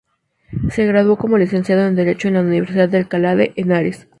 Se graduó como licenciado en Derecho en la Universidad de Alcalá de Henares.